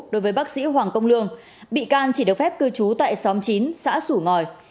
đối với bác sĩ hoàng công lương bị can chỉ được phép cư trú tại xóm chín xã sủ ngòi